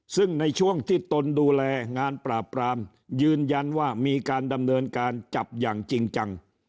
ซึ่งในช่วงที่ตนดูแลงานปราบปรามยืนยันว่ามีการดำเนินการจับอย่างจริงจัง